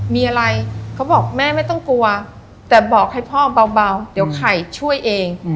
มีอะไรเขาบอกแม่ไม่ต้องกลัวแต่บอกให้พ่อเบาเดี๋ยวไข่ช่วยเอง